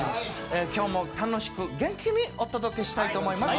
今日も楽しく元気にお届けしたいと思います。